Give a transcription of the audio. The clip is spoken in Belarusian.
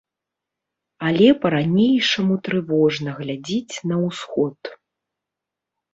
Але па-ранейшаму трывожна глядзіць на ўсход.